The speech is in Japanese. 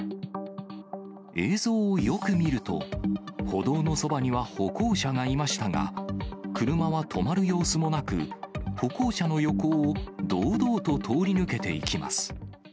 映像をよく見ると、歩道のそばには歩行者がいましたが、車は止まる様子もなく、歩行者の横を堂々と通り抜けていきます。